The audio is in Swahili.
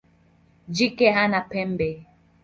Jike hana pembe.